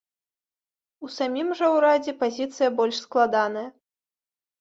У самім жа ўрадзе пазіцыя больш складаная.